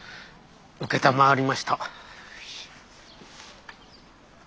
承りました。